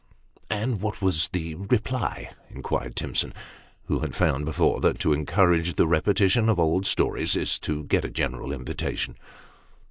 "And what was the reply?" inquired Timson, who had found, before, that to encourage the repetition of old stories is to get a general invitation.